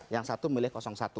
yang satu memilih satu